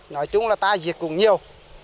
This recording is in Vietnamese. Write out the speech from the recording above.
gọi trung là ta giết cũng nhiều